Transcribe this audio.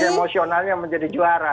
pasti emosionalnya menjadi juara